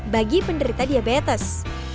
bagi penderita diabetes